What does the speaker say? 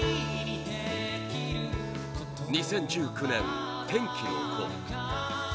２０１９年「天気の子」